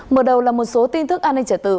mở đầu là một số tin thức an ninh trẻ tự